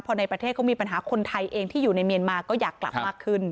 พอในประเทศเขามีปัญหาคนไทยเองที่อยู่ในเมียนมาก็อยากกลับมากขึ้น